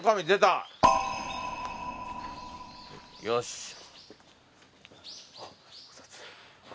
よし。